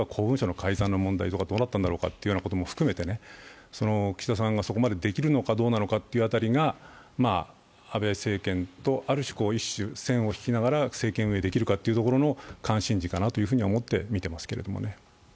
改ざん問題どうだったんだろうかも含めて岸田さんがそこまでできるのかどうなのかという辺りが安倍政権とある種、一種線を引きながら政権運営できるか関心事かなと思って見てますけどね。